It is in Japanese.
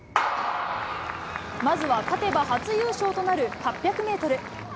まずは、勝てば初優勝となる８００メートル。